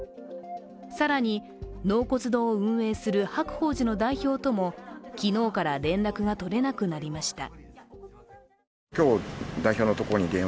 更に、納骨堂を運営する白鳳寺の代表とも昨日から連絡が取れなくなりました。